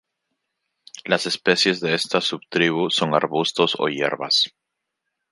Las especies de esta subtribu son arbustos o hierbas.